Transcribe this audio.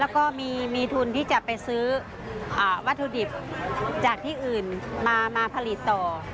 แล้วก็มีทุนที่จะไปซื้อวัตถุดิบจากที่อื่นมาผลิตต่อ